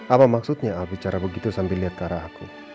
apa maksudnya aku bicara begitu sambil lihat ke arah aku